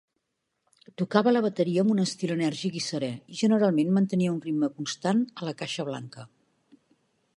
Tocava la bateria amb un estil enèrgic i serè, i generalment mantenia un ritme constant a la caixa blanca.